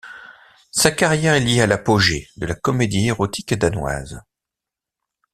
Sa carrière est liée à l'apogée de la comédie érotique danoise.